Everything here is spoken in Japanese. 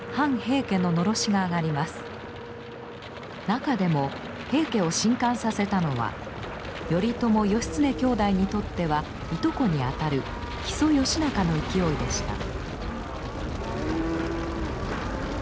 中でも平家を震撼させたのは頼朝・義経兄弟にとってはいとこにあたる木曽義仲の勢いでした。